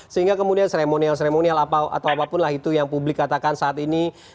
sehingga kemudian seremonial seremonial atau apapun lah itu yang publik katakan saat ini